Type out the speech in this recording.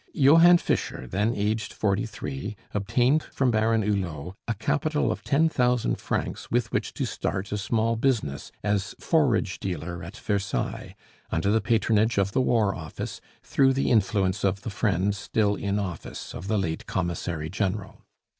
Johann Fischer, then aged forty three, obtained from Baron Hulot a capital of ten thousand francs with which to start a small business as forage dealer at Versailles, under the patronage of the War Office, through the influence of the friends still in office, of the late Commissary General.